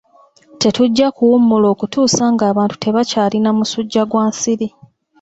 Tetujja kuwummula okutuusa ng'abantu tebakyalina musujja gwa nsiri.